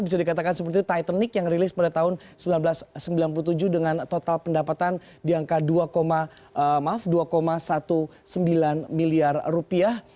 bisa dikatakan seperti itu titanic yang rilis pada tahun seribu sembilan ratus sembilan puluh tujuh dengan total pendapatan di angka dua sembilan belas miliar rupiah